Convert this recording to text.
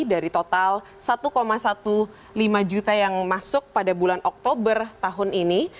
dari total satu lima belas juta yang masuk pada bulan oktober tahun ini